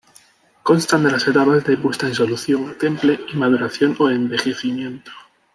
Constan de las etapas de puesta en solución, temple y maduración o envejecimiento.